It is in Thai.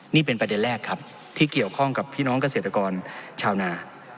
นี่เป็นประเด็นแรกครับที่เกี่ยวข้องกับพี่น้องเกษตรกรชาวนา